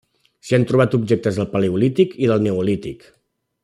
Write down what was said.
S'hi han trobat objectes del paleolític i del neolític.